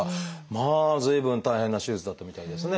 まあ随分大変な手術だったみたいですね。